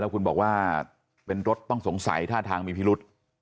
คุณบอกว่าเป็นรถต้องสงสัยท่าทางมีพิรุษ